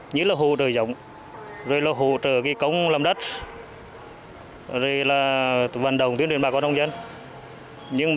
như là hỗ trợ giống rồi là hỗ trợ công làm đất rồi là vận động tuyên truyền bà con nông dân